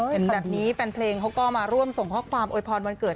เห็นแบบนี้แฟนเพลงเขาก็มาร่วมส่งข้อความโวยพรวันเกิด